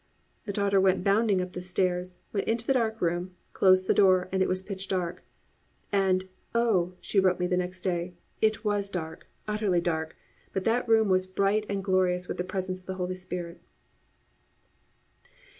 The daughter went bounding up the stairs, went into the dark room, closed the door and it was pitch dark, and "Oh," she wrote me the next day, "it was dark, utterly dark, but that room was bright and glorious with the presence of the Holy Spirit."